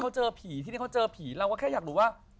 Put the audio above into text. จุดเริ่มต้นที่พวกหล่อนคิดกันอย่างไรวะ